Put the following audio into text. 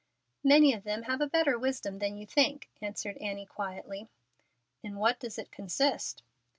"Many of them have a better wisdom than you think," answered Annie, quietly. "In what does it consist?"